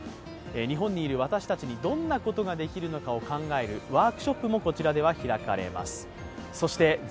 日本にいる私たちにどんなことができるのかを考えるワークショップも開かれます。